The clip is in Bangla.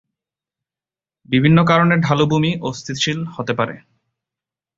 বিভিন্ন কারণে ঢালু ভূমি অস্থিতিশীল হতে পারে।